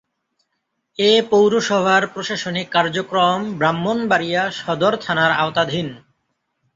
এ পৌরসভার প্রশাসনিক কার্যক্রম ব্রাহ্মণবাড়িয়া সদর থানার আওতাধীন।